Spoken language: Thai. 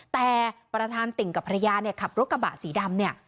แต่ประธานติ่งกับภรรยาเนี่ยขับรถกระบะสีดำเนี่ย